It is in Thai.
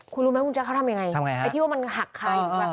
คุณรู้ไหมคุณแจ๊คเขาทำยังไงไอ้ที่ว่ามันหักคาอยู่